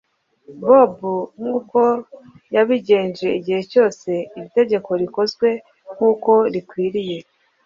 babo nk'uko yabigenje. Igihe cyose iri tegeko rikozwe nk'uko rikwiriye,